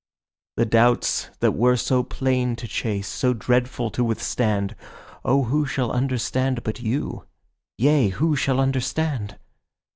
The doubts that were so plain to chase, so dreadful to withstand— Oh, who shall understand but you; yea, who shall understand?